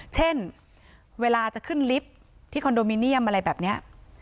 เช่นเวลาจะขึ้นลิฟต์ที่คอนโดมิเนียมอะไรแบบนี้